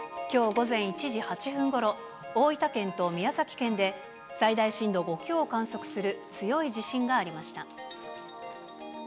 きょう午前１時８分ごろ、大分県と宮崎県で、最大震度５強を観測する強い地震がありました。